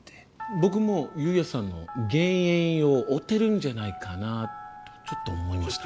僕も悠也さんの幻影を追ってるんじゃないかなぁってちょっと思いました。